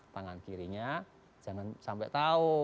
tangan kirinya jangan sampai tahu